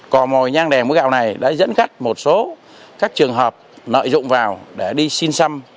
cò mồi nhang đèn múa gạo này đã dẫn khách một số các trường hợp nợ dụng vào để đi xin xăm